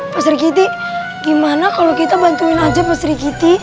pak sri kiti gimana kalau kita bantuin aja pak sri kiti